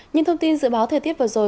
những thông tin dự báo thời tiết vừa rồi